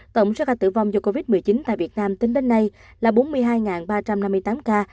tổng số ca tử vong do covid một mươi chín tại việt nam tính đến nay là bốn mươi hai ba trăm năm mươi tám ca